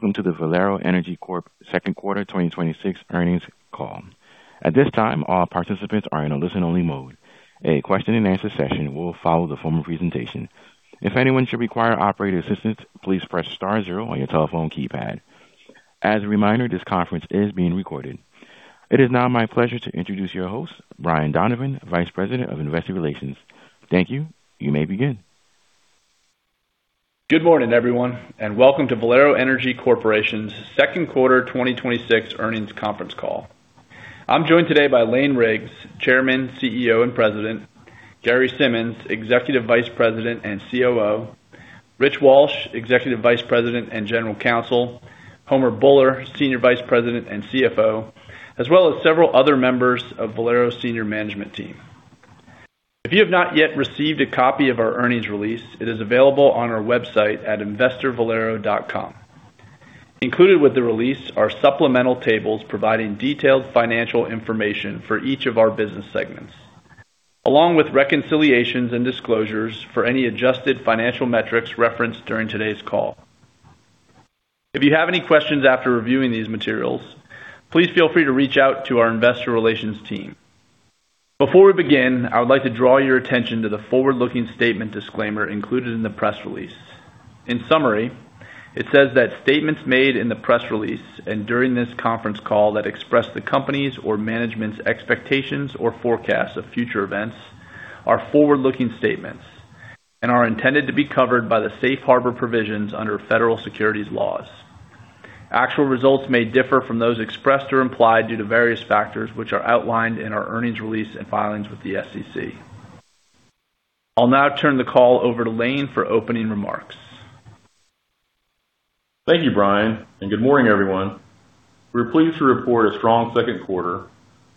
Welcome to the Valero Energy Corp second quarter 2026 earnings call. At this time, all participants are in a listen-only mode. A question-and-answer session will follow the formal presentation. If anyone should require operator assistance, please press star zero on your telephone keypad. As a reminder, this conference is being recorded. It is now my pleasure to introduce your host, Brian Donovan, Vice President of Investor Relations. Thank you. You may begin. Good morning, everyone, and welcome to Valero Energy Corporation's second quarter 2026 earnings conference call. I am joined today by Lane Riggs, Chairman, CEO, and President, Gary Simmons, Executive Vice President and COO, Rich Walsh, Executive Vice President and General Counsel, Homer Bhullar, Senior Vice President and CFO, as well as several other members of Valero's senior management team. If you have not yet received a copy of our earnings release, it is available on our website at investor.valero.com. Included with the release are supplemental tables providing detailed financial information for each of our business segments, along with reconciliations and disclosures for any adjusted financial metrics referenced during today's call. If you have any questions after reviewing these materials, please feel free to reach out to our investor relations team. Before we begin, I would like to draw your attention to the forward-looking statement disclaimer included in the press release. In summary, it says that statements made in the press release and during this conference call that express the company's or management's expectations or forecasts of future events are forward-looking statements and are intended to be covered by the Safe Harbor provisions under federal securities laws. Actual results may differ from those expressed or implied due to various factors, which are outlined in our earnings release and filings with the SEC. I will now turn the call over to Lane for opening remarks. Thank you, Brian, and good morning, everyone. We are pleased to report a strong second quarter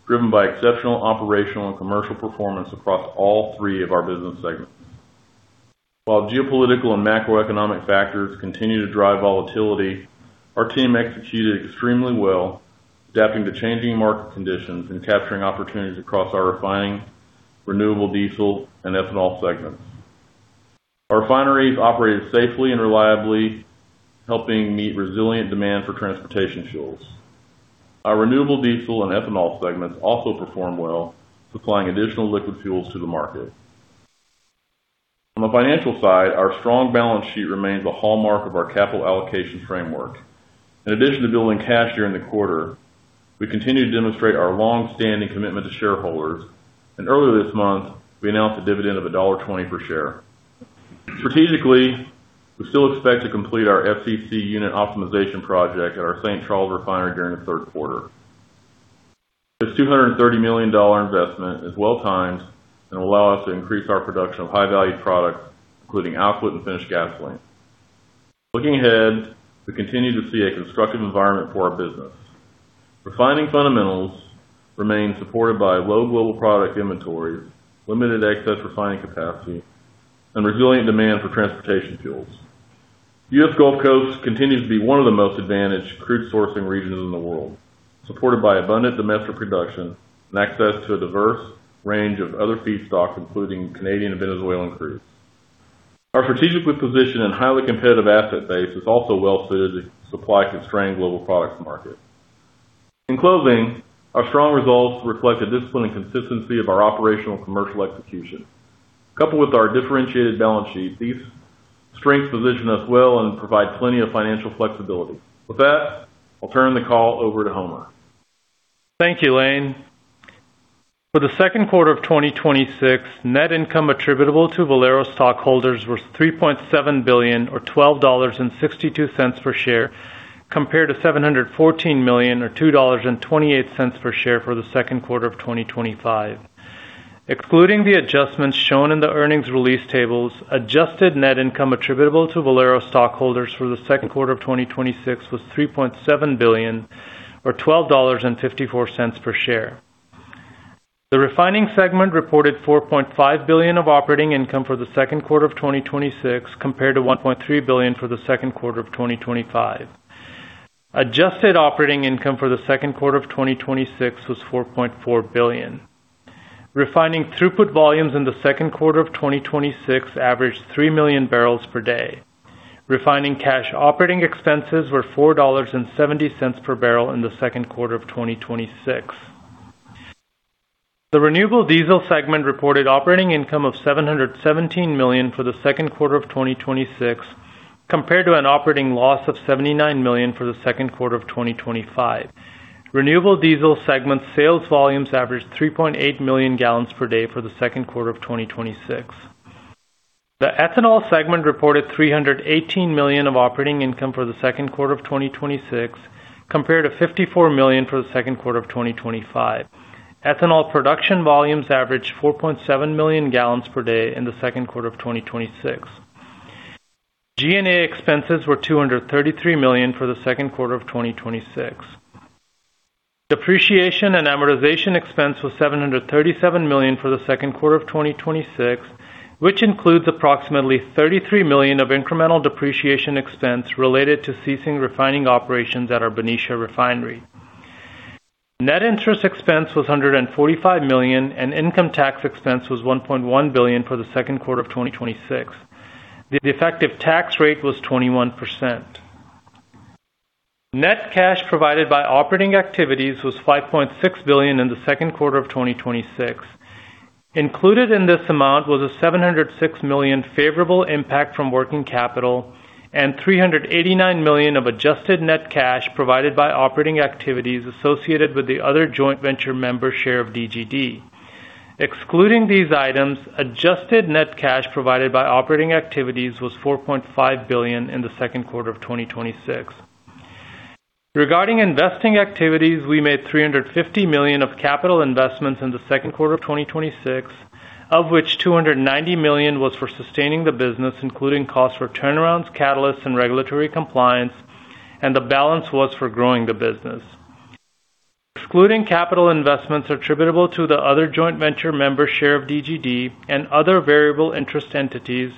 driven by exceptional operational and commercial performance across all three of our business segments. While geopolitical and macroeconomic factors continue to drive volatility, our team executed extremely well, adapting to changing market conditions and capturing opportunities across our refining, renewable diesel, and ethanol segments. Our refineries operated safely and reliably, helping meet resilient demand for transportation fuels. Our renewable diesel and ethanol segments also performed well, supplying additional liquid fuels to the market. On the financial side, our strong balance sheet remains a hallmark of our capital allocation framework. In addition to building cash during the quarter, we continue to demonstrate our long-standing commitment to shareholders, and earlier this month, we announced a dividend of $1.20 per share. Strategically, we still expect to complete our FCC unit optimization project at our St. Charles refinery during the third quarter. This $230 million investment is well-timed and will allow us to increase our production of high-value products, including output and finished gasoline. Looking ahead, we continue to see a constructive environment for our business. Refining fundamentals remain supported by low global product inventories, limited excess refining capacity, and resilient demand for transportation fuels. The U.S. Gulf Coast continues to be one of the most advantaged crude sourcing regions in the world, supported by abundant domestic production and access to a diverse range of other feedstocks, including Canadian and Venezuelan crude. Our strategically positioned and highly competitive asset base is also well-suited to supply constrained global products market. In closing, our strong results reflect the discipline and consistency of our operational commercial execution. Coupled with our differentiated balance sheet, these strengths position us well and provide plenty of financial flexibility. With that, I'll turn the call over to Homer. Thank you, Lane. For the second quarter of 2026, net income attributable to Valero stockholders was $3.7 billion, or $12.62 per share, compared to $714 million or $2.28 per share for the second quarter of 2025. Excluding the adjustments shown in the earnings release tables, adjusted net income attributable to Valero stockholders for the second quarter of 2026 was $3.7 billion, or $12.54 per share. The refining segment reported $4.5 billion of operating income for the second quarter of 2026, compared to $1.3 billion for the second quarter of 2025. Adjusted operating income for the second quarter of 2026 was $4.4 billion. Refining throughput volumes in the second quarter of 2026 averaged 3 million bbl per day. Refining cash operating expenses were $4.70 per barrel in the second quarter of 2026. The renewable diesel segment reported operating income of $717 million for the second quarter of 2026, compared to an operating loss of $79 million for the second quarter of 2025. Renewable diesel segment sales volumes averaged 3.8 million gal per day for the second quarter of 2026. The ethanol segment reported $318 million of operating income for the second quarter of 2026, compared to $54 million for the second quarter of 2025. Ethanol production volumes averaged 4.7 million gal per day in the second quarter of 2026. G&A expenses were $233 million for the second quarter of 2026. Depreciation and amortization expense was $737 million for the second quarter of 2026, which includes approximately $33 million of incremental depreciation expense related to ceasing refining operations at our Benicia refinery. Net interest expense was $145 million, income tax expense was $1.1 billion for the second quarter of 2026. The effective tax rate was 21%. Net cash provided by operating activities was $5.6 billion in the second quarter of 2026. Included in this amount was a $706 million favorable impact from working capital and $389 million of adjusted net cash provided by operating activities associated with the other joint venture member share of DGD. Excluding these items, adjusted net cash provided by operating activities was $4.5 billion in the second quarter of 2026. Regarding investing activities, we made $350 million of capital investments in the second quarter of 2026, of which $290 million was for sustaining the business, including costs for turnarounds, catalysts, and regulatory compliance, and the balance was for growing the business. Excluding capital investments attributable to the other joint venture member share of DGD and other variable interest entities,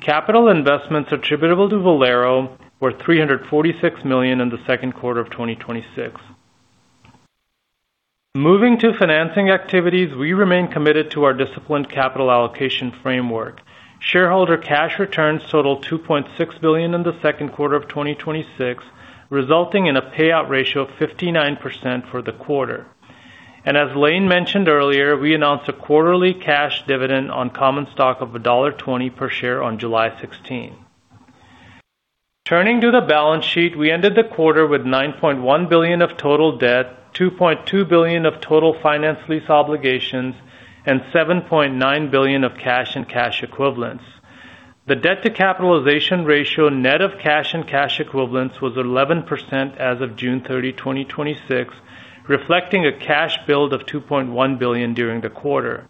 capital investments attributable to Valero were $346 million in the second quarter of 2026. Moving to financing activities, we remain committed to our disciplined capital allocation framework. Shareholder cash returns totaled $2.6 billion in the second quarter of 2026, resulting in a payout ratio of 59% for the quarter. As Lane mentioned earlier, we announced a quarterly cash dividend on common stock of $1.20 per share on July 16. Turning to the balance sheet, we ended the quarter with $9.1 billion of total debt, $2.2 billion of total finance lease obligations, and $7.9 billion of cash and cash equivalents. The debt-to-capitalization ratio net of cash and cash equivalents was 11% as of June 30th, 2026, reflecting a cash build of $2.1 billion during the quarter.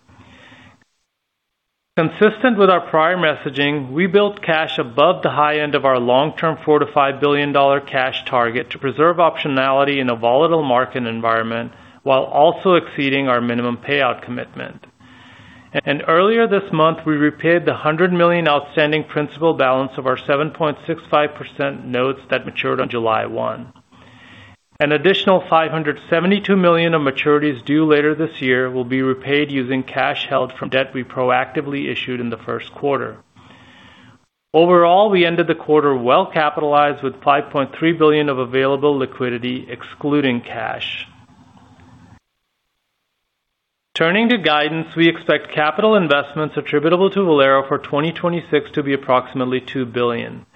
Consistent with our prior messaging, we built cash above the high end of our long-term $4 billion-$5 billion cash target to preserve optionality in a volatile market environment, while also exceeding our minimum payout commitment. Earlier this month, we repaid the $100 million outstanding principal balance of our 7.65% notes that matured on July 1. An additional $572 million of maturities due later this year will be repaid using cash held from debt we proactively issued in the first quarter. Overall, we ended the quarter well-capitalized with $5.3 billion of available liquidity excluding cash. Turning to guidance, we expect capital investments attributable to Valero for 2026 to be approximately $2 billion.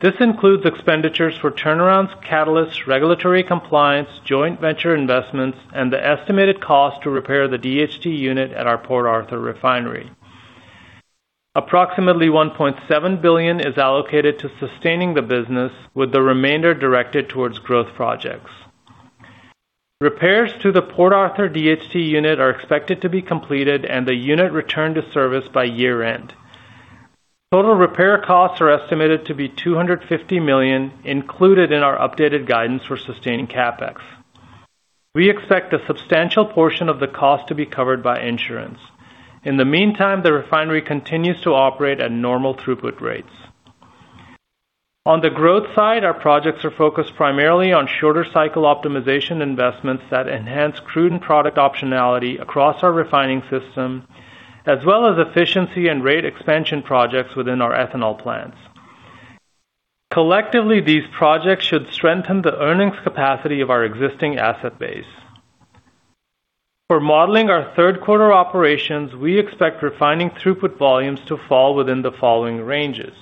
This includes expenditures for turnarounds, catalysts, regulatory compliance, joint venture investments, and the estimated cost to repair the DHT unit at our Port Arthur refinery. Approximately $1.7 billion is allocated to sustaining the business, with the remainder directed towards growth projects. Repairs to the Port Arthur DHT unit are expected to be completed and the unit returned to service by year-end. Total repair costs are estimated to be $250 million, included in our updated guidance for sustaining CapEx. We expect a substantial portion of the cost to be covered by insurance. In the meantime, the refinery continues to operate at normal throughput rates. On the growth side, our projects are focused primarily on shorter cycle optimization investments that enhance crude and product optionality across our refining system, as well as efficiency and rate expansion projects within our ethanol plants. Collectively, these projects should strengthen the earnings capacity of our existing asset base. For modeling our third quarter operations, we expect refining throughput volumes to fall within the following ranges: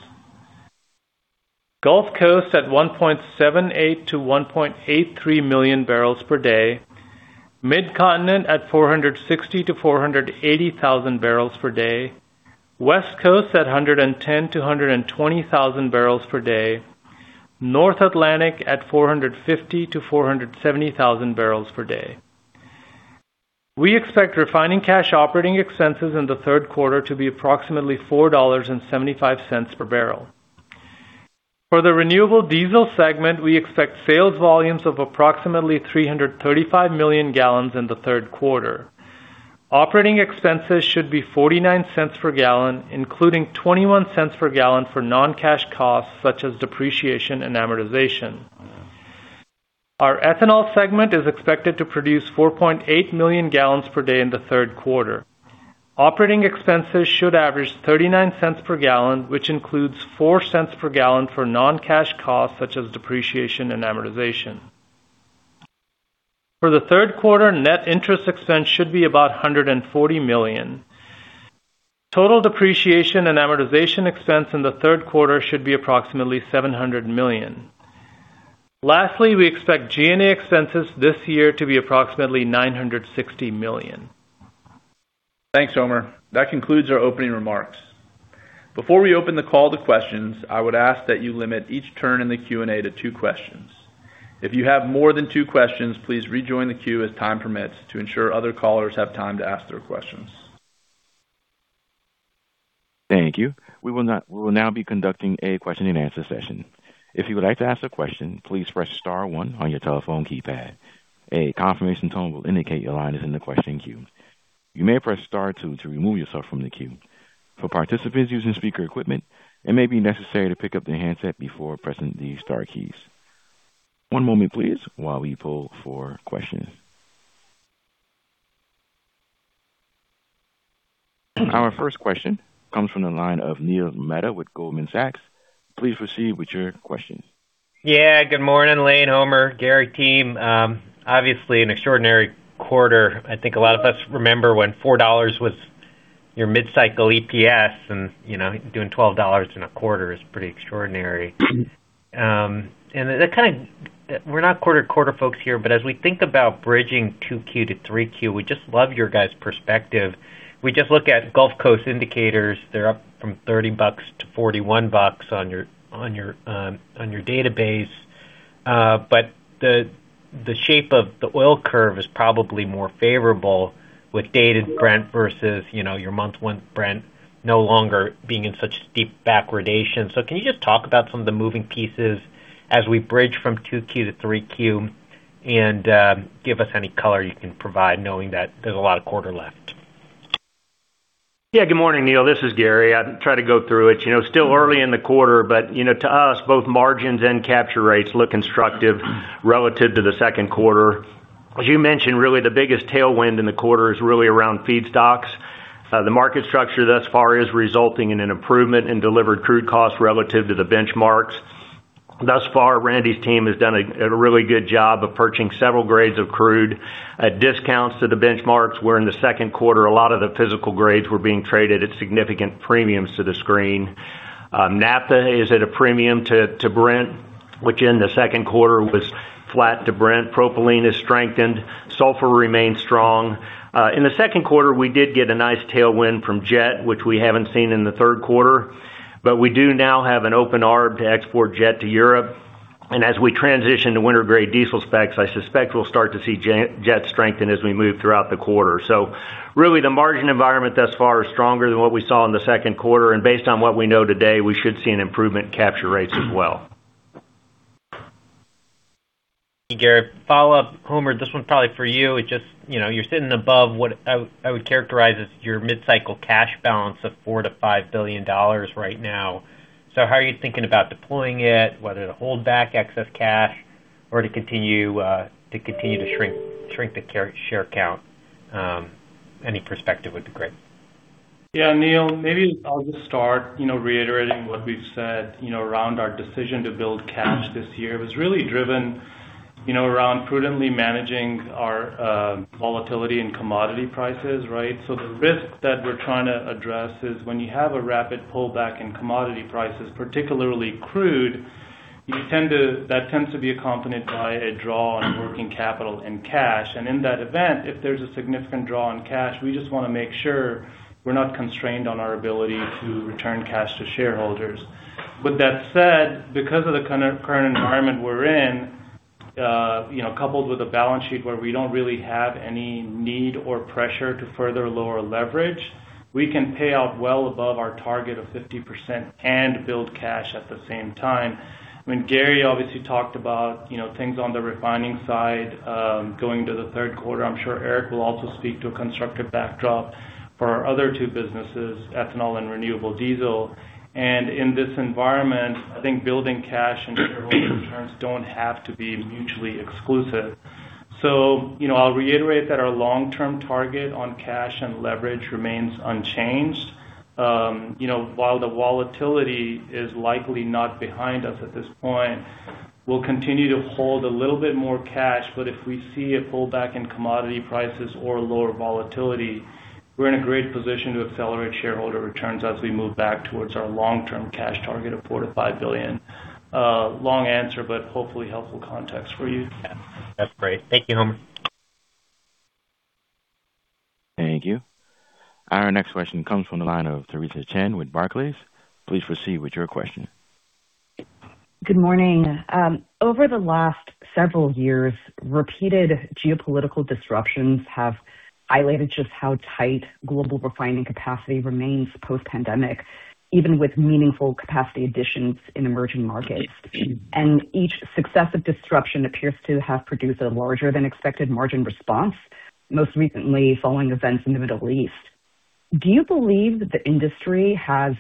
Gulf Coast at 1.78 million-1.83 million barrels per day, Mid-Continent at 460,000-480,000 barrels per day, West Coast at 110,000-120,000 barrels per day, North Atlantic at 450,000-470,000 barrels per day. We expect refining cash operating expenses in the third quarter to be approximately $4.75 per barrel. For the renewable diesel segment, we expect sales volumes of approximately 335 million gallons in the third quarter. Operating expenses should be $0.49 per gallon, including $0.21 per gallon for non-cash costs such as depreciation and amortization. Our ethanol segment is expected to produce 4.8 million gallons per day in the third quarter. Operating expenses should average $0.39 per gallon, which includes $0.04 per gallon for non-cash costs such as depreciation and amortization. For the third quarter, net interest expense should be about $140 million. Total depreciation and amortization expense in the third quarter should be approximately $700 million. Lastly, we expect G&A expenses this year to be approximately $960 million. Thanks, Homer. That concludes our opening remarks. Before we open the call to questions, I would ask that you limit each turn in the Q&A to two questions. If you have more than two questions, please rejoin the queue as time permits to ensure other callers have time to ask their questions. Thank you. We will now be conducting a question-and-answer session. If you would like to ask a question, please press star one on your telephone keypad. A confirmation tone will indicate your line is in the question queue. You may press star two to remove yourself from the queue. For participants using speaker equipment, it may be necessary to pick up the handset before pressing the star keys. One moment, please, while we pull for questions. Our first question comes from the line of Neil Mehta with Goldman Sachs. Please proceed with your questions. Good morning, Lane, Homer, Gary team. Obviously an extraordinary quarter. I think a lot of us remember when $4 was your mid-cycle EPS and doing $12 in a quarter is pretty extraordinary. We're not quarter to quarter folks here, but as we think about bridging Q2-Q3, we just love your guys' perspective. We just look at Gulf Coast indicators. They're up from $30-$41 on your database. The shape of the oil curve is probably more favorable with Dated Brent versus your month one Brent no longer being in such steep backwardation. Can you just talk about some of the moving pieces as we bridge from Q2 to Q3 and give us any color you can provide knowing that there's a lot of quarter left? Good morning, Neil. This is Gary. I'll try to go through it. Still early in the quarter, to us, both margins and capture rates look constructive relative to the second quarter. As you mentioned, really the biggest tailwind in the quarter is really around feedstocks. The market structure thus far is resulting in an improvement in delivered crude costs relative to the benchmarks. Thus far, Randy's team has done a really good job of purchasing several grades of crude at discounts to the benchmarks, where in the second quarter, a lot of the physical grades were being traded at significant premiums to the screen. naphtha is at a premium to Brent, which in the second quarter was flat to Brent. Propylene has strengthened. Sulfur remains strong. In the second quarter, we did get a nice tailwind from jet, which we haven't seen in the third quarter. We do now have an open arb to export jet to Europe. As we transition to winter-grade diesel specs, I suspect we'll start to see jet strengthen as we move throughout the quarter. Really the margin environment thus far is stronger than what we saw in the second quarter, based on what we know today, we should see an improvement in capture rates as well. Hey, Gary. Follow-up. Homer, this one's probably for you. You're sitting above what I would characterize as your mid-cycle cash balance of $4 billion-$5 billion right now. How are you thinking about deploying it, whether to hold back excess cash or to continue to shrink the share count? Any perspective would be great. Yeah, Neil, maybe I'll just start reiterating what we've said around our decision to build cash this year. It was really driven around prudently managing our volatility in commodity prices, right? The risk that we're trying to address is when you have a rapid pullback in commodity prices, particularly crude, that tends to be accompanied by a draw on working capital and cash. In that event, if there's a significant draw on cash, we just want to make sure we're not constrained on our ability to return cash to shareholders. With that said, because of the current environment we're in, coupled with a balance sheet where we don't really have any need or pressure to further lower leverage, we can pay out well above our target of 50% and build cash at the same time. I mean, Gary obviously talked about things on the refining side going into the third quarter. I'm sure Eric will also speak to a constructive backdrop for our other two businesses, ethanol and renewable diesel. In this environment, I think building cash and shareholder returns don't have to be mutually exclusive. I'll reiterate that our long-term target on cash and leverage remains unchanged. While the volatility is likely not behind us at this point, we'll continue to hold a little bit more cash, but if we see a pullback in commodity prices or lower volatility, we're in a great position to accelerate shareholder returns as we move back towards our long-term cash target of $4 billion -$5 billion. Long answer, but hopefully helpful context for you. Yeah. That's great. Thank you, Homer. Thank you. Our next question comes from the line of Theresa Chen with Barclays. Please proceed with your question. Good morning. Over the last several years, repeated geopolitical disruptions have highlighted just how tight global refining capacity remains post-pandemic, even with meaningful capacity additions in emerging markets. Each successive disruption appears to have produced a larger than expected margin response, most recently following events in the Middle East. Do you believe that the industry has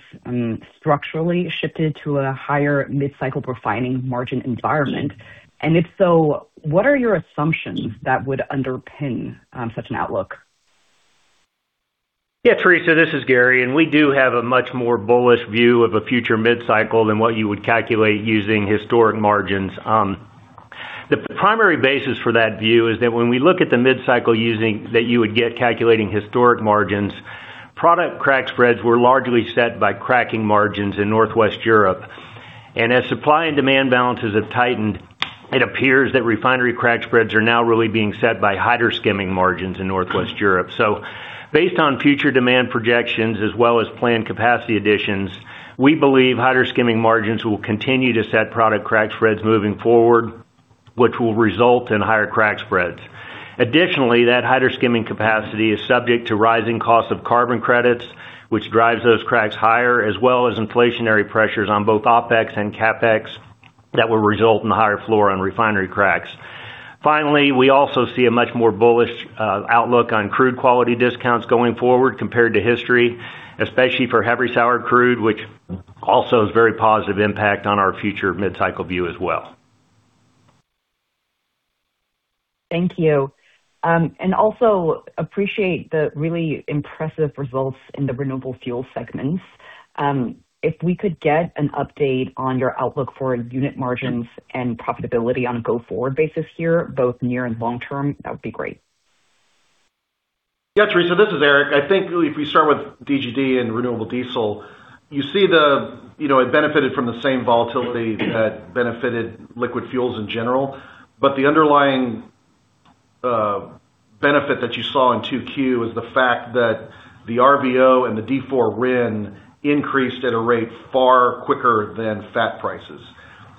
structurally shifted to a higher mid-cycle refining margin environment? If so, what are your assumptions that would underpin such an outlook? Yeah, Theresa, this is Gary, we do have a much more bullish view of a future mid-cycle than what you would calculate using historic margins. The primary basis for that view is that when we look at the mid-cycle that you would get calculating historic margins, product crack spreads were largely set by cracking margins in Northwest Europe. As supply and demand balances have tightened, it appears that refinery crack spreads are now really being set by hydro skimming margins in Northwest Europe. Based on future demand projections as well as planned capacity additions, we believe hydro skimming margins will continue to set product crack spreads moving forward, which will result in higher crack spreads. Additionally, that hydro skimming capacity is subject to rising costs of carbon credits, which drives those cracks higher, as well as inflationary pressures on both OpEx and CapEx. That will result in a higher floor on refinery cracks. Finally, we also see a much more bullish outlook on crude quality discounts going forward compared to history, especially for heavy sour crude, which also has very positive impact on our future mid-cycle view as well. Thank you. Also appreciate the really impressive results in the renewable fuel segments. If we could get an update on your outlook for unit margins and profitability on a go-forward basis here, both near and long term, that would be great. Theresa, this is Eric. I think really if we start with DGD and renewable diesel, you see it benefited from the same volatility that benefited liquid fuels in general. The underlying benefit that you saw in 2Q is the fact that the RVO and the D4 RIN increased at a rate far quicker than fat prices.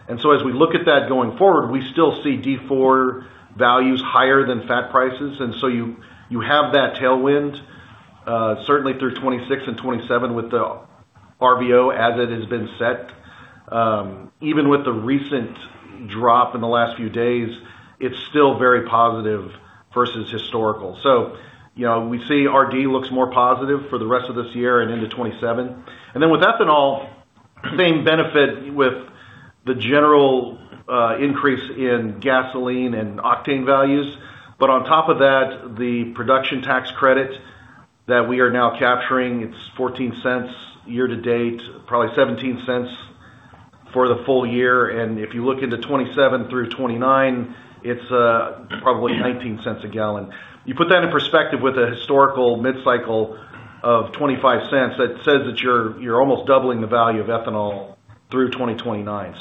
As we look at that going forward, we still see D4 values higher than fat prices. You have that tailwind, certainly through 2026 and 2027 with the RVO as it has been set. Even with the recent drop in the last few days, it's still very positive versus historical. We see RD looks more positive for the rest of this year and into 2027. With ethanol, same benefit with the general increase in gasoline and octane values. On top of that, the Production Tax Credit that we are now capturing, it's $0.14 year to date, probably $0.17 for the full year. If you look into 2027 through 2029, it's probably $0.19 a gallon. You put that in perspective with a historical mid-cycle of $0.25, that says that you're almost doubling the value of ethanol through 2029.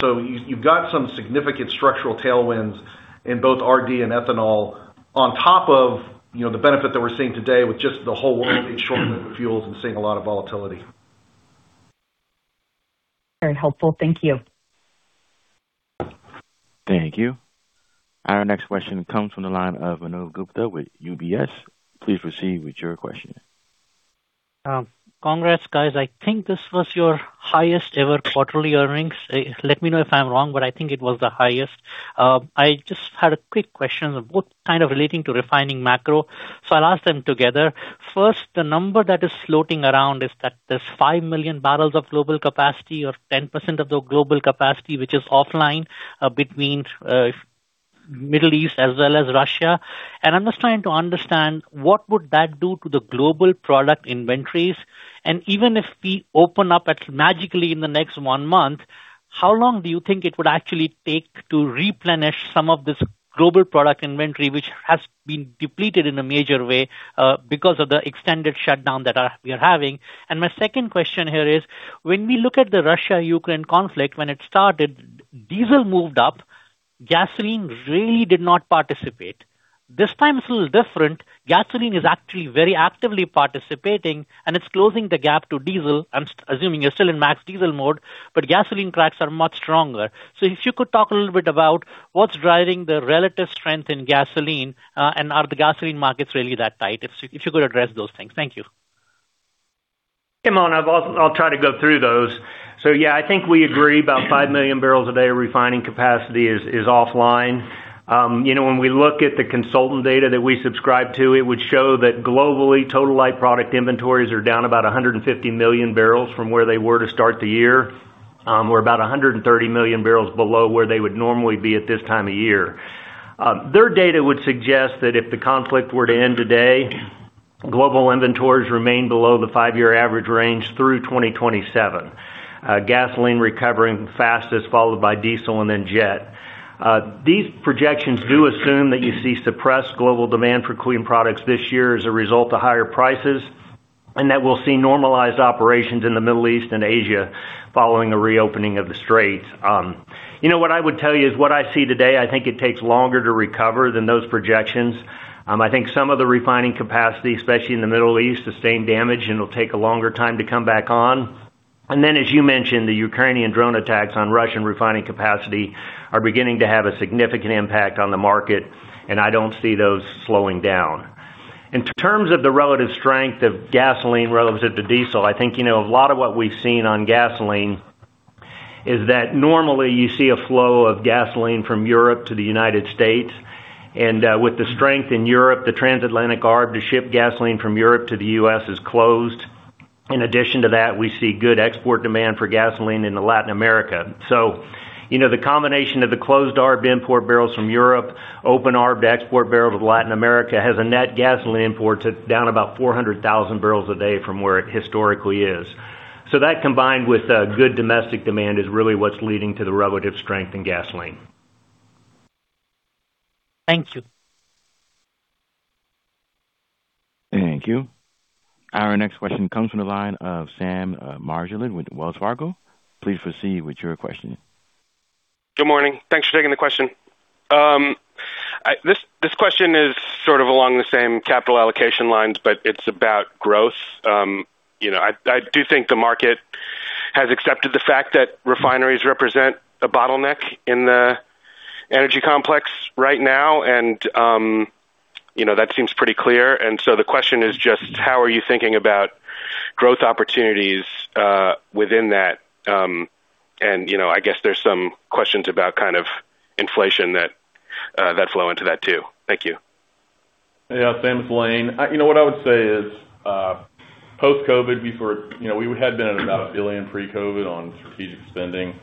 You've got some significant structural tailwinds in both RD and ethanol on top of the benefit that we're seeing today with just the whole world in shortment of fuels and seeing a lot of volatility. Very helpful. Thank you. Thank you. Our next question comes from the line of Manav Gupta with UBS. Please proceed with your question. Congrats, guys. I think this was your highest ever quarterly earnings. Let me know if I'm wrong, but I think it was the highest. I just had a quick question, both kind of relating to refining macro, so I will ask them together. First, the number that is floating around is that there is 5 million bbl of global capacity or 10% of the global capacity, which is offline between Middle East as well as Russia. I am just trying to understand what would that do to the global product inventories? Even if we open up magically in the next one month, how long do you think it would actually take to replenish some of this global product inventory, which has been depleted in a major way because of the extended shutdown that we are having? My second question here is, when we look at the Russia-Ukraine conflict, when it started, diesel moved up, gasoline really did not participate. This time it is a little different. Gasoline is actually very actively participating, and it is closing the gap to diesel. I am assuming you are still in max diesel mode, but gasoline cracks are much stronger. If you could talk a little bit about what is driving the relative strength in gasoline, and are the gasoline markets really that tight? If you could address those things. Thank you. Hey, Manav. I will try to go through those. Yeah, I think we agree about 5 million bbl a day of refining capacity is offline. When we look at the consultant data that we subscribe to, it would show that globally, total light product inventories are down about 150 million bbl from where they were to start the year. We are about 130 million bbl below where they would normally be at this time of year. Their data would suggest that if the conflict were to end today, global inventories remain below the five year average range through 2027. Gasoline recovering fastest, followed by diesel and then jet. These projections do assume that you see suppressed global demand for clean products this year as a result of higher prices, and that we will see normalized operations in the Middle East and Asia following a reopening of the Straits. What I would tell you is what I see today, I think it takes longer to recover than those projections. I think some of the refining capacity, especially in the Middle East, sustained damage, and it will take a longer time to come back on. Then, as you mentioned, the Ukrainian drone attacks on Russian refining capacity are beginning to have a significant impact on the market, and I do not see those slowing down. In terms of the relative strength of gasoline relative to diesel, I think, a lot of what we have seen on gasoline is that normally you see a flow of gasoline from Europe to the U.S. With the strength in Europe, the Transatlantic Arb to ship gasoline from Europe to the U.S. is closed. In addition to that, we see good export demand for gasoline into Latin America. The combination of the closed Arb import barrels from Europe, open Arb to export barrels with Latin America has a net gasoline import down about 400,000 bbl a day from where it historically is. That combined with good domestic demand is really what's leading to the relative strength in gasoline. Thank you. Thank you. Our next question comes from the line of Sam Margolin with Wells Fargo. Please proceed with your question. Good morning. Thanks for taking the question. This question is sort of along the same capital allocation lines, it's about growth. I do think the market has accepted the fact that refineries represent a bottleneck in the Energy complex right now, that seems pretty clear. The question is just how are you thinking about growth opportunities within that? I guess there's some questions about inflation that flow into that, too. Thank you. Yeah. Same with Lane. What I would say is post-COVID, we had been at about $1 billion pre-COVID on strategic spending,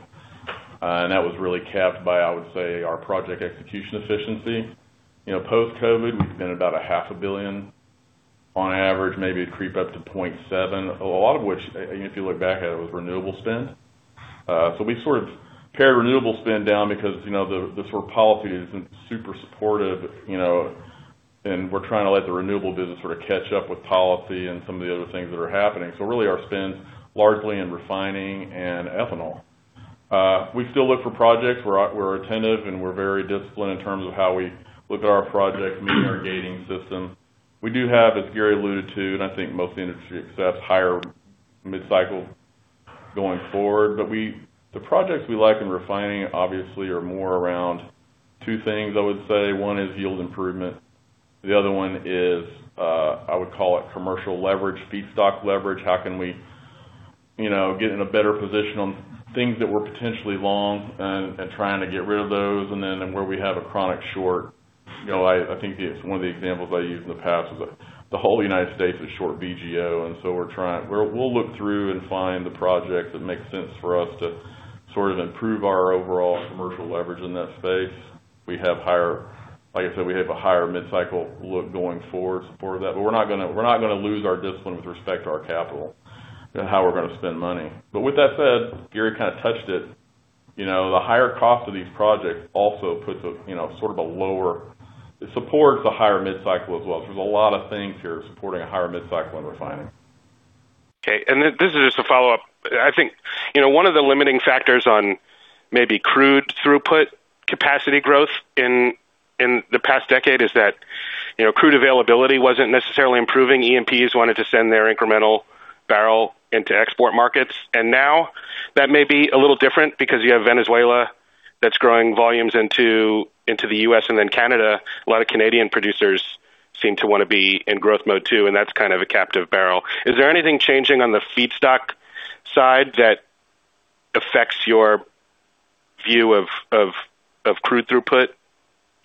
and that was really capped by, I would say, our project execution efficiency. Post-COVID, we've been about a half a billion on average, maybe creep up to $0.7 billion. A lot of which, if you look back at it, was renewable spend. We sort of pared renewable spend down because the policy isn't super supportive, and we're trying to let the renewable business sort of catch up with policy and some of the other things that are happening. Really, our spend largely in refining and ethanol. We still look for projects. We're attentive, and we're very disciplined in terms of how we look at our projects, meeting our gating systems. We do have, as Gary alluded to, and I think most of the industry accepts, higher mid-cycle going forward. The projects we like in refining obviously are more around two things, I would say. One is yield improvement. The other one is, I would call it commercial leverage, feedstock leverage. How can we get in a better position on things that were potentially long and trying to get rid of those, and then where we have a chronic short. I think one of the examples I used in the past was the whole U.S. was short VGO, we'll look through and find the project that makes sense for us to sort of improve our overall commercial leverage in that space. Like I said, we have a higher mid-cycle look going forward for that. We're not going to lose our discipline with respect to our capital and how we're going to spend money. With that said, Gary kind of touched it. The higher cost of these projects also supports a higher mid-cycle as well. There's a lot of things here supporting a higher mid-cycle in refining. Okay. This is just a follow-up. I think one of the limiting factors on maybe crude throughput capacity growth in the past decade is that crude availability wasn't necessarily improving. E&Ps wanted to send their incremental barrel into export markets. Now that may be a little different because you have Venezuela that's growing volumes into the U.S. and then Canada. A lot of Canadian producers seem to want to be in growth mode, too, and that's kind of a captive barrel. Is there anything changing on the feedstock side that affects your view of crude throughput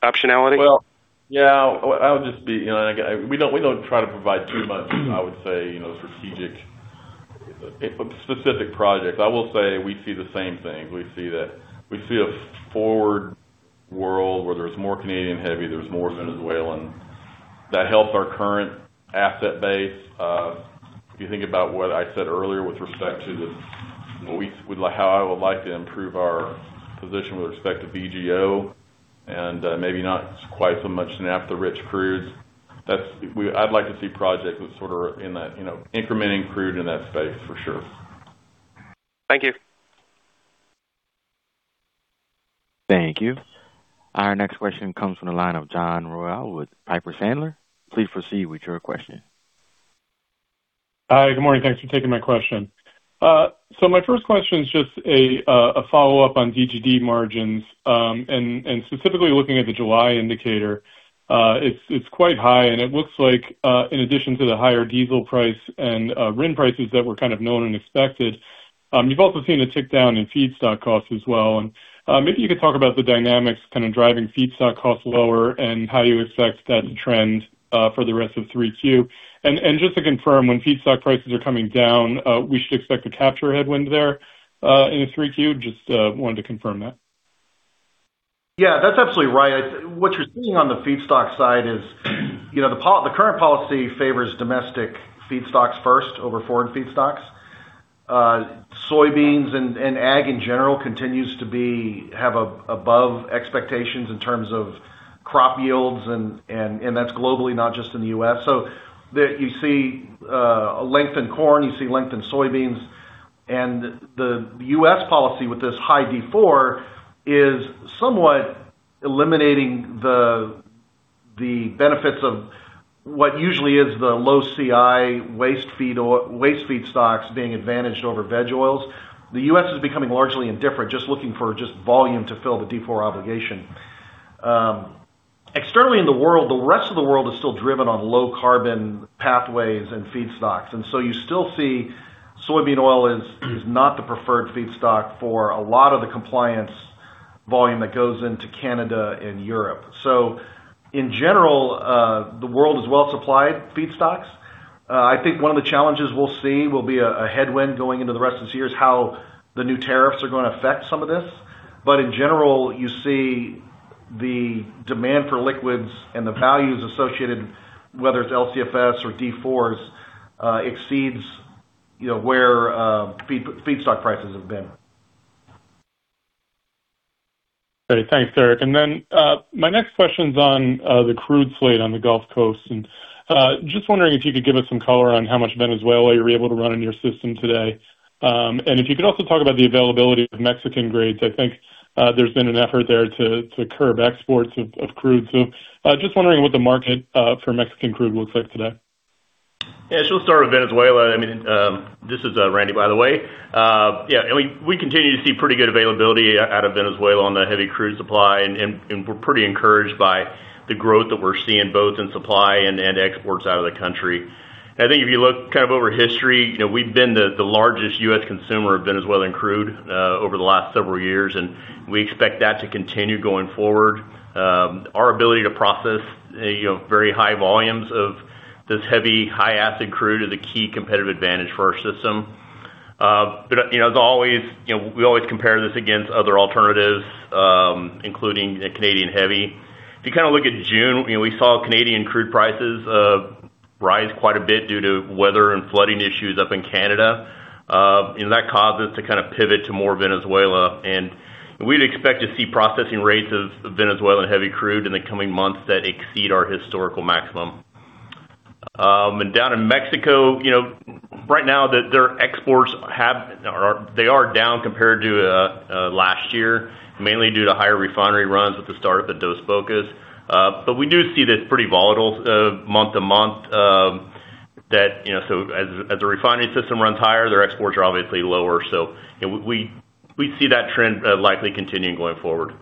optionality? Well, yeah. We don't try to provide too much, I would say, strategic specific projects. I will say we see the same things. We see a forward world where there's more Canadian heavy, there's more Venezuelan. That helps our current asset base. If you think about what I said earlier with respect to how I would like to improve our position with respect to VGO and maybe not quite so much naphtha-rich crudes. I'd like to see projects that sort of incrementing crude in that space for sure. Thank you. Thank you. Our next question comes from the line of John Royall with Piper Sandler. Please proceed with your question. Hi. Good morning. Thanks for taking my question. My first question is just a follow-up on DGD margins, and specifically looking at the July indicator. It's quite high, and it looks like in addition to the higher diesel price and RIN prices that were kind of known and expected, you've also seen a tick down in feedstock costs as well. Maybe you could talk about the dynamics kind of driving feedstock costs lower and how you expect that to trend for the rest of 3Q. Just to confirm, when feedstock prices are coming down, we should expect a capture headwind there in 3Q? Just wanted to confirm that. Yeah, that's absolutely right. What you're seeing on the feedstock side is the current policy favors domestic feedstocks first over foreign feedstocks. Soybeans and ag in general continues to have above expectations in terms of crop yields, and that's globally, not just in the U.S. You see a length in corn, you see length in soybeans. The U.S. policy with this high D4 is somewhat eliminating the benefits of what usually is the low CI waste feedstocks being advantaged over veg oils. The U.S. is becoming largely indifferent, just looking for just volume to fill the D4 obligation. Externally in the world, the rest of the world is still driven on low carbon pathways and feedstocks, you still see soybean oil is not the preferred feedstock for a lot of the compliance volume that goes into Canada and Europe. In general, the world is well-supplied feedstocks. I think one of the challenges we'll see will be a headwind going into the rest of this year is how the new tariffs are going to affect some of this. In general, you see the demand for liquids and the values associated, whether it's LCFS or D4s, exceeds where feedstock prices have been. Great. Thanks, Eric. My next question is on the crude slate on the Gulf Coast. Just wondering if you could give us some color on how much Venezuela you're able to run in your system today. If you could also talk about the availability of Mexican grades. I think there's been an effort there to curb exports of crude. Just wondering what the market for Mexican crude looks like today. Yeah. We'll start with Venezuela. This is Randy, by the way. We continue to see pretty good availability out of Venezuela on the heavy crude supply, and we're pretty encouraged by the growth that we're seeing both in supply and exports out of the country. I think if you look over history, we've been the largest U.S. consumer of Venezuelan crude over the last several years, and we expect that to continue going forward. Our ability to process very high volumes of this heavy, high acid crude is a key competitive advantage for our system. We always compare this against other alternatives, including Canadian heavy. If you look at June, we saw Canadian crude prices rise quite a bit due to weather and flooding issues up in Canada. That caused us to pivot to more Venezuela, and we'd expect to see processing rates of Venezuelan heavy crude in the coming months that exceed our historical maximum. Down in Mexico, right now their exports are down compared to last year, mainly due to higher refinery runs at the start of the Dos Bocas. We do see that it's pretty volatile month to month. As the refinery system runs higher, their exports are obviously lower. We see that trend likely continuing going forward.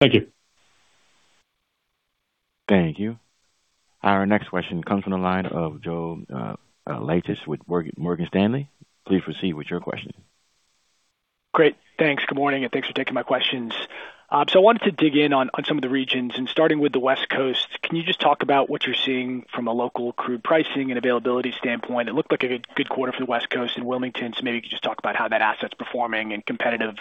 Thank you. Thank you. Our next question comes from the line of Joe Laetsch with Morgan Stanley. Please proceed with your question. Great. Thanks. Good morning, and thanks for taking my questions. I wanted to dig in on some of the regions, starting with the West Coast, can you just talk about what you're seeing from a local crude pricing and availability standpoint? It looked like a good quarter for the West Coast and Wilmington, so maybe you could just talk about how that asset's performing and competitiveness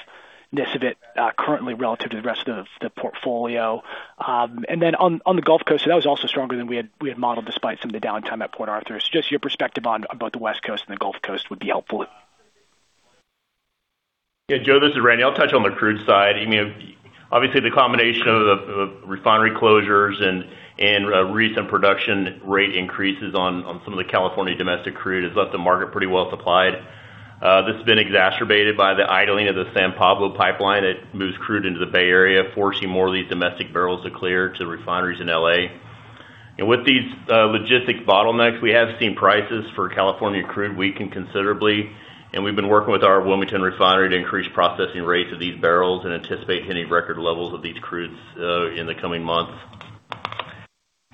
of it currently relative to the rest of the portfolio. Then on the Gulf Coast, that was also stronger than we had modeled despite some of the downtime at Port Arthur. Just your perspective on both the West Coast and the Gulf Coast would be helpful. Yeah, Joe, this is Randy. I'll touch on the crude side. Obviously, the combination of the refinery closures and recent production rate increases on some of the California domestic crude has left the market pretty well supplied. This has been exacerbated by the idling of the San Pablo Bay Pipeline that moves crude into the Bay Area, forcing more of these domestic barrels to clear to refineries in L.A. With these logistic bottlenecks, we have seen prices for California crude weaken considerably, and we've been working with our Wilmington refinery to increase processing rates of these barrels and anticipate hitting record levels of these crudes in the coming months.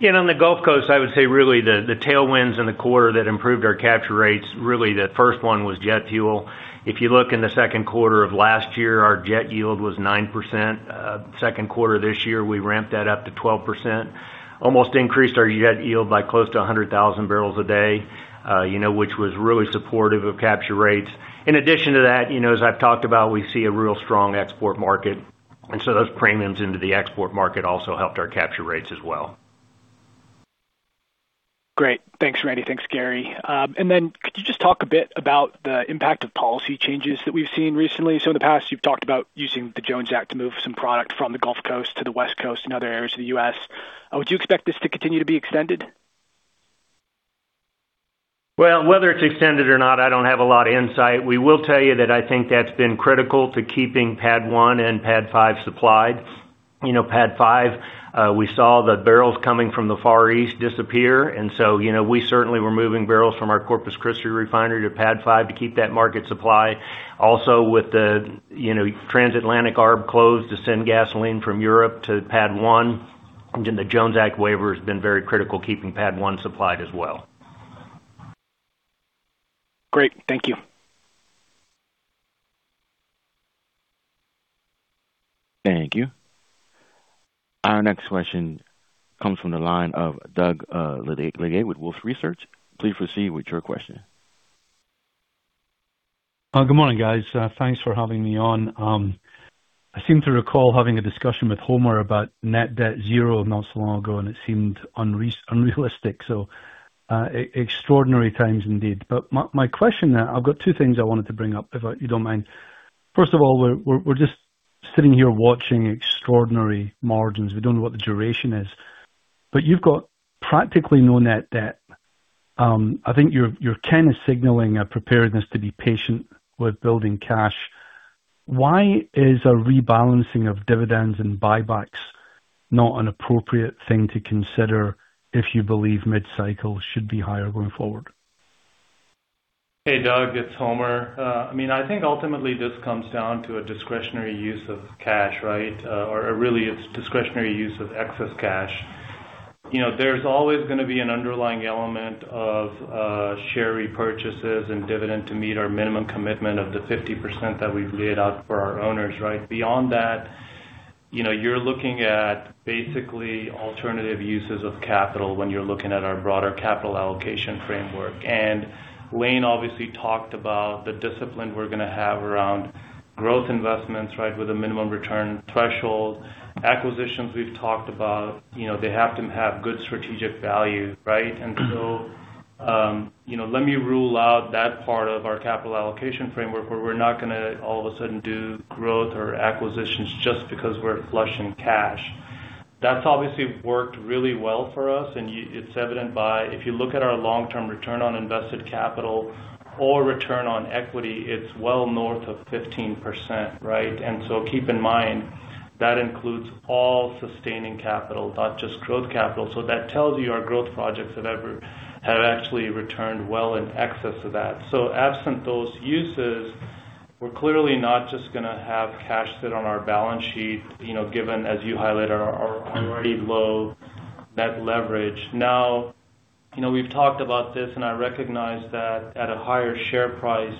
On the Gulf Coast, I would say really the tailwinds in the quarter that improved our capture rates, really the first one was jet fuel. If you look in the second quarter of last year, our jet yield was 9%. Second quarter this year, we ramped that up to 12%, almost increased our jet yield by close to 100,000 bbl a day which was really supportive of capture rates. In addition to that, as I've talked about, we see a real strong export market, those premiums into the export market also helped our capture rates as well. Great. Thanks, Randy. Thanks, Gary. Then could you just talk a bit about the impact of policy changes that we've seen recently? In the past, you've talked about using the Jones Act to move some product from the Gulf Coast to the West Coast and other areas of the U.S. Would you expect this to continue to be extended? Well, whether it's extended or not, I don't have a lot of insight. We will tell you that I think that's been critical to keeping pad one and pad five supplied. Pad five, we saw the barrels coming from the Far East disappear, we certainly were moving barrels from our Corpus Christi refinery to pad five to keep that market supplied. Also with the Transatlantic Arb closed to send gasoline from Europe to pad one, the Jones Act waiver has been very critical keeping pad one supplied as well. Great. Thank you. Thank you. Our next question comes from the line of Doug Leggate with Wolfe Research. Please proceed with your question. Good morning, guys. Thanks for having me on. I seem to recall having a discussion with Homer about net debt zero not so long ago. It seemed unrealistic. Extraordinary times indeed. My question now, I've got two things I wanted to bring up, if you don't mind. First of all, we're just sitting here watching extraordinary margins. We don't know what the duration is. You've got practically no net debt. I think you're kind of signaling a preparedness to be patient with building cash. Why is a rebalancing of dividends and buybacks not an appropriate thing to consider if you believe mid-cycle should be higher going forward? Hey, Doug, it's Homer. I think ultimately this comes down to a discretionary use of cash, right? Really, it's discretionary use of excess cash. There's always going to be an underlying element of share repurchases and dividend to meet our minimum commitment of the 50% that we've laid out for our owners, right? Beyond that, you're looking at basically alternative uses of capital when you're looking at our broader capital allocation framework. Lane obviously talked about the discipline we're going to have around growth investments with a minimum return threshold. Acquisitions we've talked about. They have to have good strategic value, right? Let me rule out that part of our capital allocation framework where we're not going to all of a sudden do growth or acquisitions just because we're flush in cash. That's obviously worked really well for us, and it's evident by if you look at our long-term return on invested capital or return on equity, it's well north of 15%. Keep in mind, that includes all sustaining capital, not just growth capital. That tells you our growth projects have actually returned well in excess of that. Absent those uses, we're clearly not just going to have cash sit on our balance sheet, given, as you highlighted, our already low net leverage. We've talked about this, and I recognize that at a higher share price,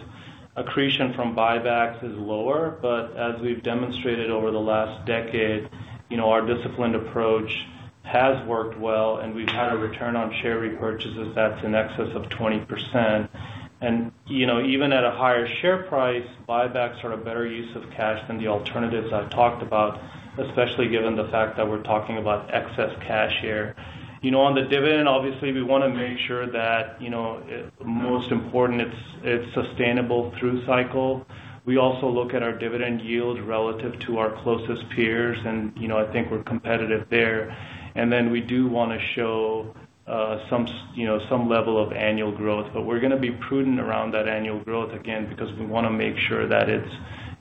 accretion from buybacks is lower. As we've demonstrated over the last decade, our disciplined approach has worked well and we've had a return on share repurchases that's in excess of 20%. Even at a higher share price, buybacks are a better use of cash than the alternatives I've talked about, especially given the fact that we're talking about excess cash here. On the dividend, obviously, we want to make sure that most important, it's sustainable through cycle. We also look at our dividend yield relative to our closest peers, and I think we're competitive there. We do want to show some level of annual growth. We're going to be prudent around that annual growth, again, because we want to make sure that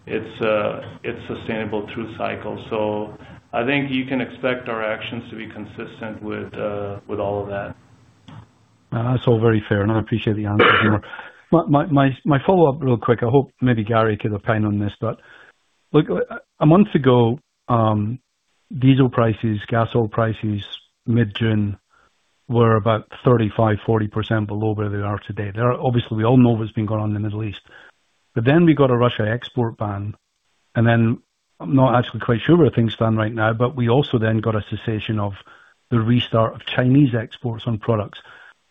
it's sustainable through cycle. I think you can expect our actions to be consistent with all of that. That's all very fair, I appreciate the answer. My follow-up real quick, I hope maybe Gary can opine on this, look, a month ago, diesel prices, gasoline prices mid-June were about 35%-40% below where they are today. Obviously, we all know what's been going on in the Middle East. Then we got a Russia export ban, I'm not actually quite sure where things stand right now, but we also then got a cessation of the restart of Chinese exports on products.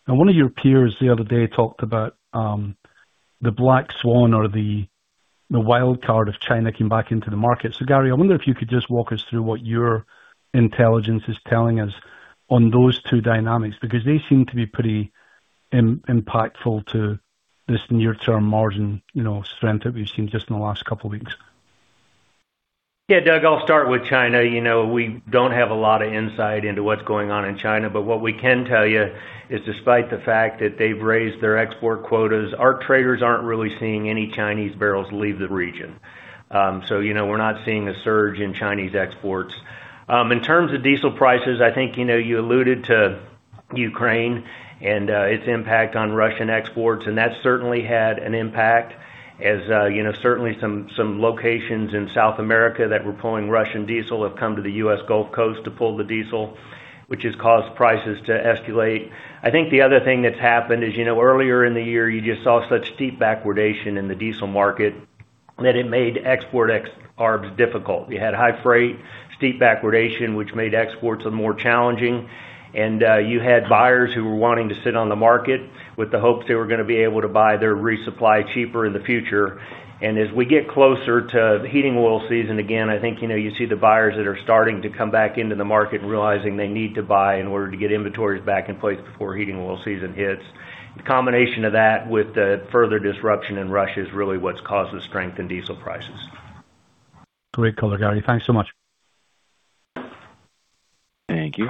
One of your peers the other day talked about the black swan or the wild card of China coming back into the market. Gary, I wonder if you could just walk us through what your intelligence is telling us on those two dynamics, because they seem to be pretty impactful to this near-term margin strength that we've seen just in the last couple of weeks. Yeah, Doug, I'll start with China. We don't have a lot of insight into what's going on in China, but what we can tell you is despite the fact that they've raised their export quotas, our traders aren't really seeing any Chinese barrels leave the region. We're not seeing a surge in Chinese exports. In terms of diesel prices, I think you alluded to Ukraine and its impact on Russian exports, and that certainly had an impact as certainly some locations in South America that were pulling Russian diesel have come to the U.S. Gulf Coast to pull the diesel, which has caused prices to escalate. I think the other thing that's happened is earlier in the year, you just saw such steep backwardation in the diesel market that it made export arbs difficult. You had high freight, steep backwardation, which made exports more challenging. You had buyers who were wanting to sit on the market with the hopes they were going to be able to buy their resupply cheaper in the future. As we get closer to the heating oil season, again, I think you see the buyers that are starting to come back into the market and realizing they need to buy in order to get inventories back in place before heating oil season hits. The combination of that with the further disruption in Russia is really what's caused the strength in diesel prices. Great color, Gary. Thanks so much. Thank you.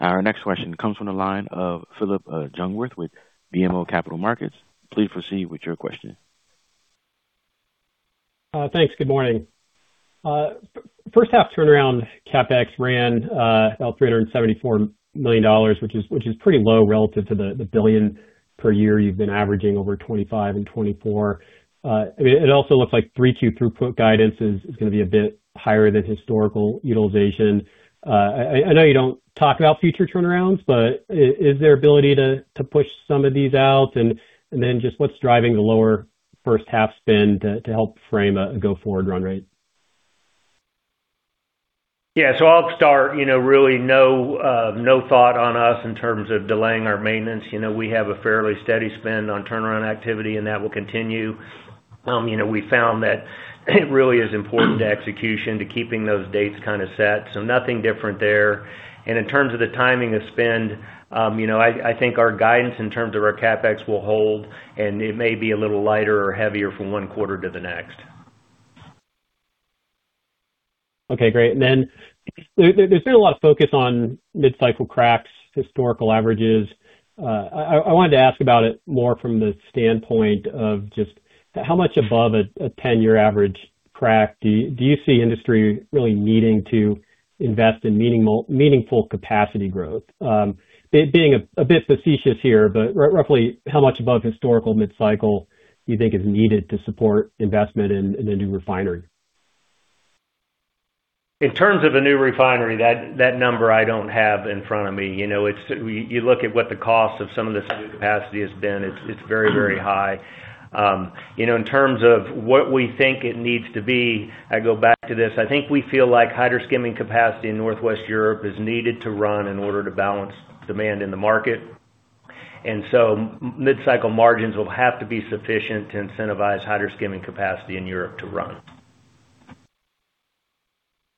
Our next question comes from the line of Phillip Jungwirth with BMO Capital Markets. Please proceed with your question. Thanks. Good morning. First half turnaround CapEx ran about $374 million, which is pretty low relative to the $1 billion per year you've been averaging over 2025 and 2024. It also looks like three, two throughput guidance is going to be a bit higher than historical utilization. Is there ability to push some of these out? What's driving the lower first half spend to help frame a go-forward run rate? Yeah. I'll start. Really no thought on us in terms of delaying our maintenance. We have a fairly steady spend on turnaround activity, and that will continue. We found that it really is important to execution to keeping those dates kind of set. Nothing different there. In terms of the timing of spend, I think our guidance in terms of our CapEx will hold, and it may be a little lighter or heavier from one quarter to the next. Okay, great. There's been a lot of focus on mid-cycle cracks, historical averages. I wanted to ask about it more from the standpoint of just how much above a 10-year average crack do you see industry really needing to invest in meaningful capacity growth? Being a bit facetious here, roughly how much above historical mid-cycle do you think is needed to support investment in a new refinery? In terms of a new refinery, that number I don't have in front of me. You look at what the cost of some of this new capacity has been, it's very, very high. In terms of what we think it needs to be, I go back to this. I think we feel like hydro skimming capacity in Northwest Europe is needed to run in order to balance demand in the market. Mid-cycle margins will have to be sufficient to incentivize hydro skimming capacity in Europe to run.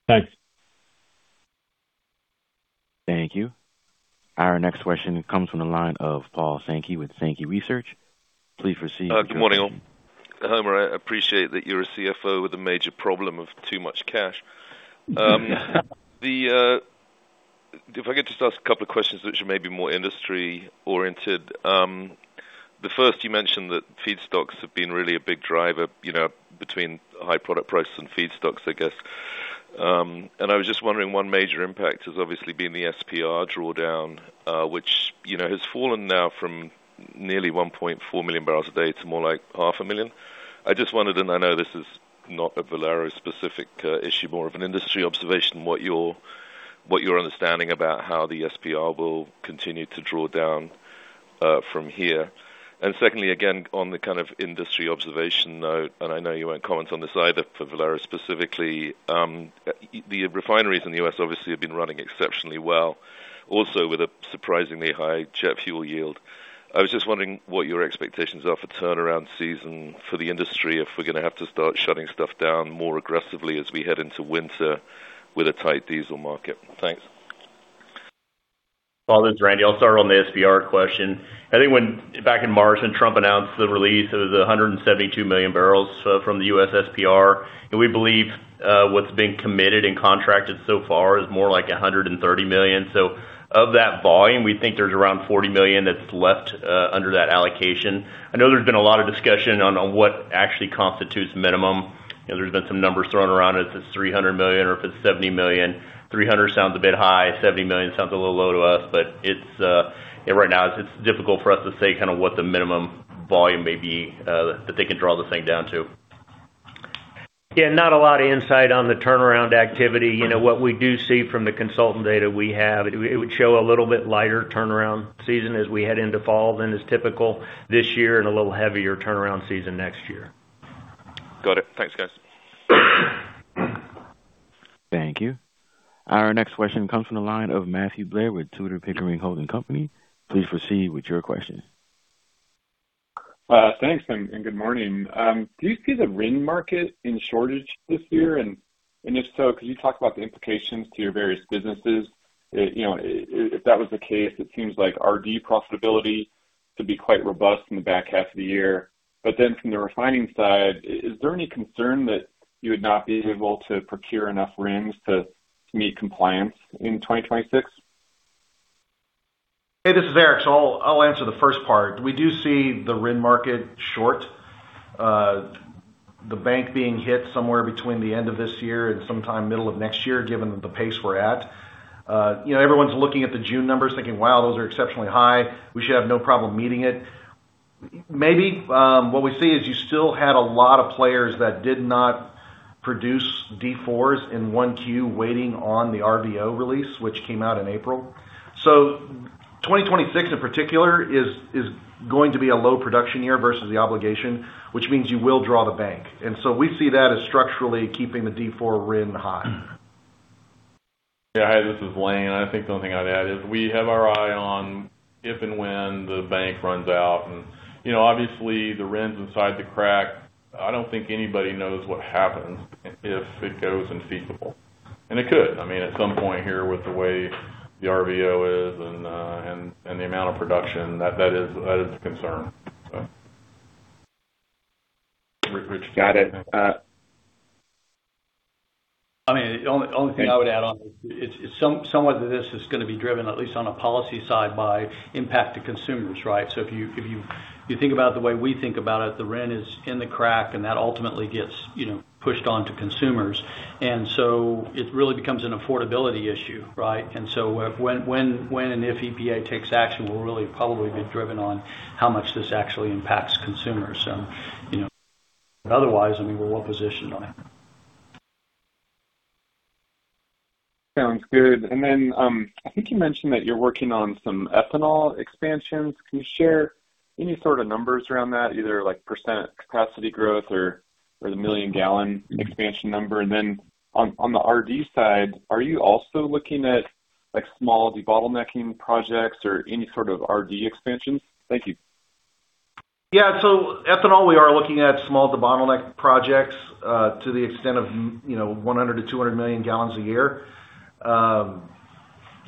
Thanks. Thank you. Our next question comes from the line of Paul Sankey with Sankey Research. Please proceed with your question. Good morning, all. Homer, I appreciate that you're a CFO with a major problem of too much cash. If I could just ask a couple of questions which are maybe more industry-oriented. The first, you mentioned that feedstocks have been really a big driver between high product prices and feedstocks, I guess. I was just wondering, one major impact has obviously been the SPR drawdown, which has fallen now from nearly 1.4 million bbl a day to more like 0.5 million. I just wondered, and I know this is not a Valero-specific issue, more of an industry observation, what your understanding about how the SPR will continue to draw down from here. Secondly, again, on the kind of industry observation note, and I know you won't comment on this either for Valero specifically, the refineries in the U.S. obviously have been running exceptionally well, also with a surprisingly high jet fuel yield. I was just wondering what your expectations are for turnaround season for the industry, if we're going to have to start shutting stuff down more aggressively as we head into winter with a tight diesel market. Thanks. Paul, this is Randy. I'll start on the SPR question. I think when back in March, when Trump announced the release of the 172 million bbl from the U.S. SPR. We believe what's been committed and contracted so far is more like 130 million. Of that volume, we think there's around 40 million that's left under that allocation. I know there's been a lot of discussion on what actually constitutes minimum. There's been some numbers thrown around if it's 300 million or if it's 70 million. 300 sounds a bit high, 70 million sounds a little low to us, but right now it's difficult for us to say what the minimum volume may be that they can draw the thing down to. Not a lot of insight on the turnaround activity. What we do see from the consultant data we have, it would show a little bit lighter turnaround season as we head into fall than is typical this year and a little heavier turnaround season next year. Got it. Thanks, guys. Thank you. Our next question comes from the line of Matthew Blair with Tudor, Pickering, Holt & Co. Please proceed with your question. Thanks, good morning. Do you see the RIN market in shortage this year? If so, could you talk about the implications to your various businesses? If that was the case, it seems like RD profitability could be quite robust in the back half of the year. From the refining side, is there any concern that you would not be able to procure enough RINs to meet compliance in 2026? Hey, this is Eric. I'll answer the first part. We do see the RIN market short. The bank being hit somewhere between the end of this year and sometime middle of next year, given the pace we're at. Everyone's looking at the June numbers thinking, "Wow, those are exceptionally high. We should have no problem meeting it." Maybe. What we see is you still had a lot of players that did not produce D4s in 1Q waiting on the RVO release, which came out in April. 2026 in particular is going to be a low production year versus the obligation, which means you will draw the bank. We see that as structurally keeping the D4 RIN high. This is Lane. I think the only thing I'd add is we have our eye on if and when the bank runs out. Obviously the RIN's inside the crack. I don't think anybody knows what happens if it goes infeasible. It could. I mean, at some point here with the way the RVO is and the amount of production, that is a concern. Got it. Only thing I would add on is somewhat this is going to be driven, at least on a policy side, by impact to consumers, right? If you think about it the way we think about it, the RIN is in the crack and that ultimately gets pushed onto consumers. It really becomes an affordability issue, right? When and if EPA takes action will really probably be driven on how much this actually impacts consumers. Otherwise, we're well-positioned on it. Sounds good. I think you mentioned that you're working on some ethanol expansions. Can you share any sort of numbers around that, either like percent capacity growth or the million gallon expansion number? On the RD side, are you also looking at small debottleneck projects or any sort of RD expansions? Thank you. Yeah. Ethanol, we are looking at small debottleneck projects, to the extent of 100 million-200 million gal a year.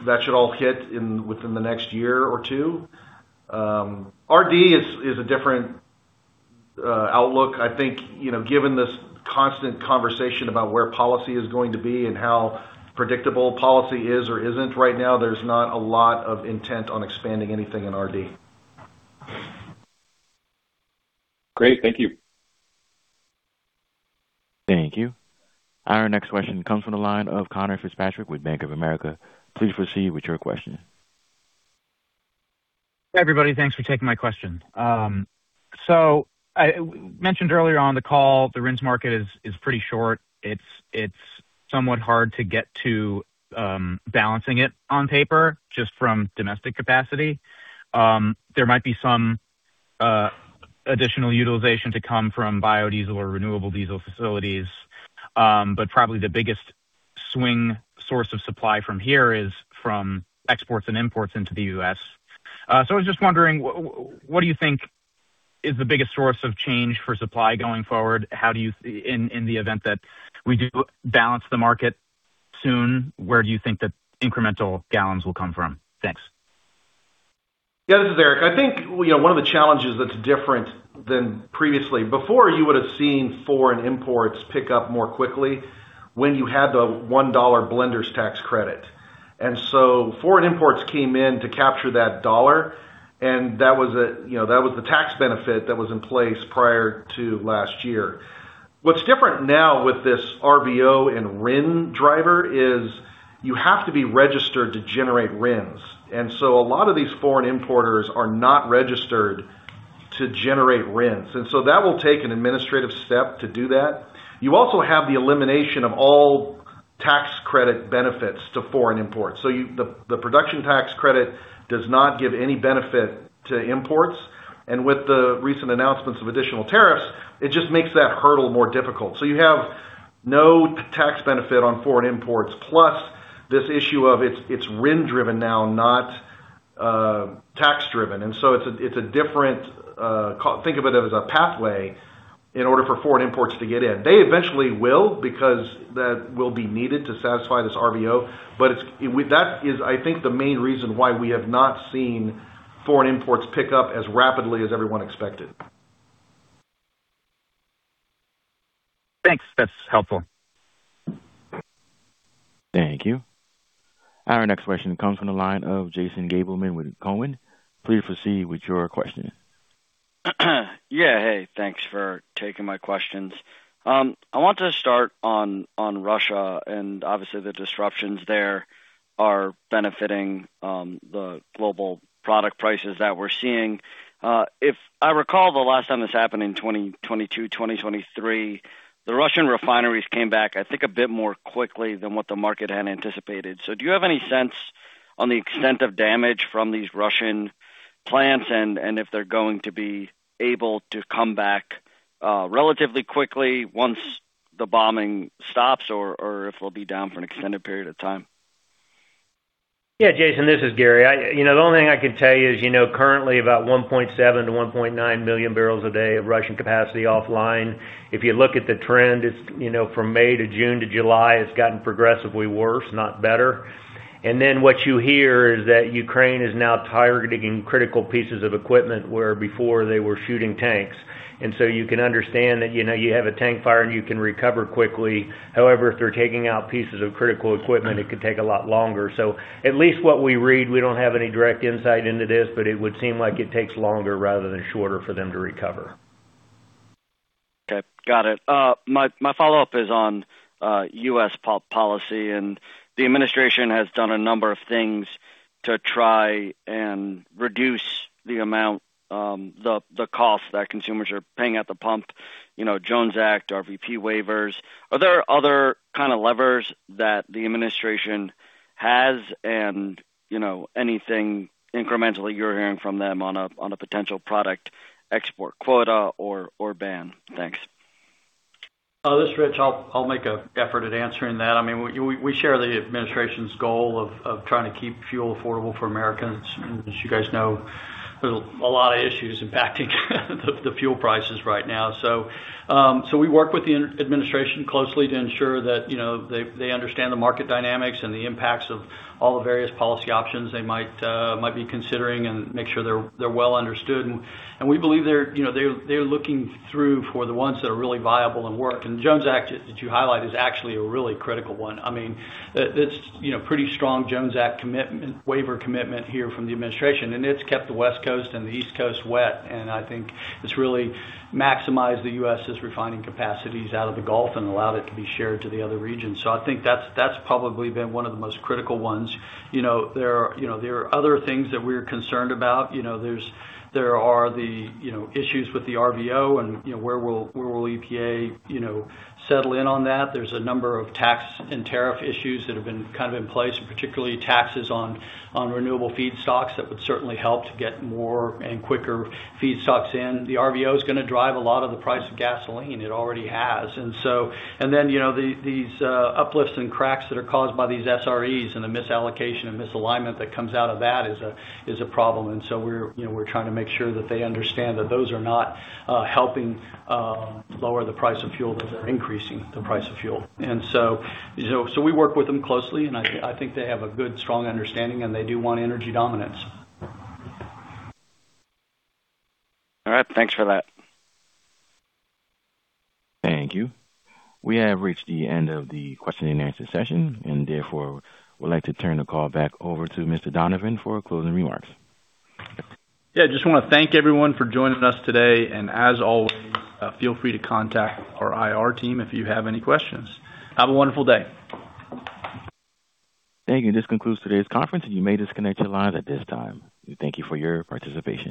That should all hit within the next year or two. RD is a different outlook. I think, given this constant conversation about where policy is going to be and how predictable policy is or isn't right now, there's not a lot of intent on expanding anything in RD. Great. Thank you. Thank you. Our next question comes from the line of Conor Fitzpatrick with Bank of America. Please proceed with your question. Hey, everybody. Thanks for taking my question. I mentioned earlier on the call, the RINs market is pretty short. It's somewhat hard to get to balancing it on paper just from domestic capacity. There might be some additional utilization to come from biodiesel or renewable diesel facilities. Probably the biggest swing source of supply from here is from exports and imports into the U.S. I was just wondering, what do you think is the biggest source of change for supply going forward? In the event that we do balance the market soon, where do you think the incremental gallons will come from? Thanks. Yeah, this is Eric. I think one of the challenges that's different than previously, before you would've seen foreign imports pick up more quickly when you had the $1 Blender's Tax Credit. Foreign imports came in to capture that dollar, and that was the tax benefit that was in place prior to last year. What's different now with this RVO and RIN driver is you have to be registered to generate RINs. A lot of these foreign importers are not registered to generate RINs. That will take an administrative step to do that. You also have the elimination of all tax credit benefits to foreign imports. The Production Tax Credit does not give any benefit to imports. With the recent announcements of additional tariffs, it just makes that hurdle more difficult. You have no tax benefit on foreign imports, plus this issue of it's RIN-driven now, not tax-driven. It's a different Think of it as a pathway in order for foreign imports to get in. They eventually will because that will be needed to satisfy this RVO. That is, I think, the main reason why we have not seen foreign imports pick up as rapidly as everyone expected. Thanks. That's helpful. Thank you. Our next question comes from the line of Jason Gabelman with Cowen. Please proceed with your question. Yeah, hey. Thanks for taking my questions. I want to start on Russia and obviously the disruptions there are benefiting the global product prices that we're seeing. If I recall the last time this happened in 2022, 2023, the Russian refineries came back, I think, a bit more quickly than what the market had anticipated. Do you have any sense on the extent of damage from these Russian plants and if they're going to be able to come back relatively quickly once the bombing stops or if they'll be down for an extended period of time? Yeah, Jason, this is Gary. The only thing I can tell you is currently about 1.7-1.9 million bbl a day of Russian capacity offline. If you look at the trend, from May to June to July, it's gotten progressively worse, not better. What you hear is that Ukraine is now targeting critical pieces of equipment, where before they were shooting tanks. You can understand that you have a tank fire and you can recover quickly. However, if they're taking out pieces of critical equipment, it could take a lot longer. At least what we read, we don't have any direct insight into this, but it would seem like it takes longer rather than shorter for them to recover. Okay, got it. My follow-up is on U.S. policy, the administration has done a number of things to try and reduce the cost that consumers are paying at the pump, Jones Act, RVP waivers. Are there other levers that the administration has and anything incrementally you're hearing from them on a potential product export quota or ban? Thanks. This is Rich. I'll make an effort at answering that. We share the administration's goal of trying to keep fuel affordable for Americans. As you guys know, there's a lot of issues impacting the fuel prices right now. We work with the administration closely to ensure that they understand the market dynamics and the impacts of all the various policy options they might be considering and make sure they're well understood. We believe they're looking through for the ones that are really viable and work. Jones Act, that you highlight, is actually a really critical one. It's pretty strong Jones Act commitment, waiver commitment here from the administration, and it's kept the West Coast and the East Coast wet. I think it's really maximized the U.S.'s refining capacities out of the Gulf and allowed it to be shared to the other regions. I think that's probably been one of the most critical ones. There are other things that we're concerned about. There are the issues with the RVO and where will EPA settle in on that. There's a number of tax and tariff issues that have been in place, and particularly taxes on renewable feedstocks that would certainly help to get more and quicker feedstocks in. The RVO is going to drive a lot of the price of gasoline. It already has. These uplifts and cracks that are caused by these SREs and the misallocation and misalignment that comes out of that is a problem. We're trying to make sure that they understand that those are not helping lower the price of fuel, that they're increasing the price of fuel. We work with them closely, and I think they have a good, strong understanding, and they do want energy dominance. All right. Thanks for that. Thank you. We have reached the end of the question-and-answer session, and therefore, would like to turn the call back over to Mr. Donovan for closing remarks. Yeah, just want to thank everyone for joining us today, and as always, feel free to contact our IR team if you have any questions. Have a wonderful day. Thank you. This concludes today's conference, and you may disconnect your lines at this time. Thank you for your participation.